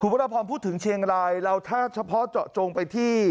ครูพระพรพมพูดถึงเชียงรายแล้วถ้าเฉพาะจอกจงไปที่